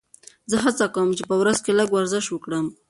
زه هڅه کوم چې په ورځ کې لږ ورزش وکړم.